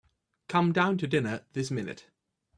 Come down to dinner this minute.